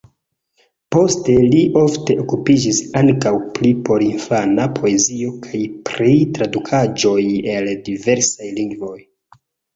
Poste li ofte okupiĝis ankaŭ pri porinfana poezio kaj pri tradukaĵoj el diversaj lingvoj.